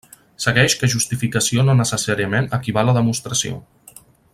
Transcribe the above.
Segueix que justificació no necessàriament equival a demostració.